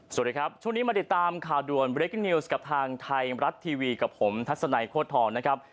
สวัสดีครับช่วงนี้มาติดตามข่าวด่วนเรกินิวส์กับทางไทยรัฐทีวีกับผมทัศนัยโคตรทองนะครับ